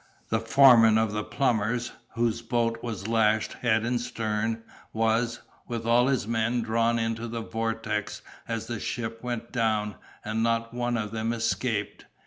The foreman of the plumbers, whose boat was lashed head and stern, was, with all his men, drawn into the vortex as the ship went down, and not one of them escaped.